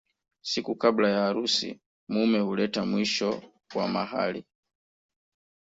Siku kabla ya harusi mume huleta mwisho wa mahari